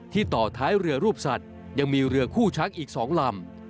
ต่อท้ายเรือรูปสัตว์ยังมีเรือคู่ช้างอีก๒ลำ